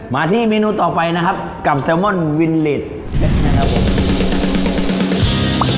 มาที่เมนูต่อไปนะครับกับแซลมอนวิลลิสนะครับผม